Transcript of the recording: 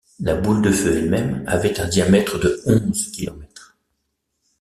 La boule de feu elle-même avait un diamètre de onze kilomètres.